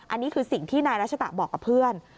อันนี้คือสิ่งที่นายรัชตะบอกกับเพื่อน